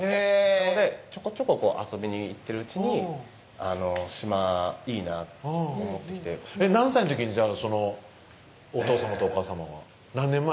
それでちょこちょこ遊びに行ってるうちに島いいなと思ってきて何歳の時にじゃあお父さまとお母さまは何年前？